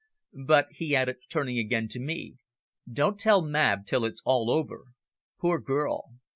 "But," he added, turning again to me, "don't tell Mab till it's all over. Poor girl!